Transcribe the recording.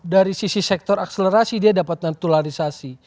dari sisi sektor akselerasi dia dapat naturalisasi